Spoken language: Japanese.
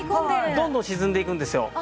どんどん沈んでいくんですよ。